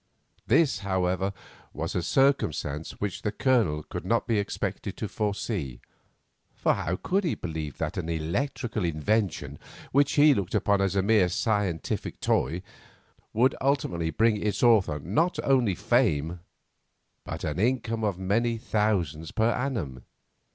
This, however, was a circumstance which the Colonel could not be expected to foresee, for how could he believe that an electrical invention which he looked upon as a mere scientific toy would ultimately bring its author not only fame, but an income of many thousands per annum?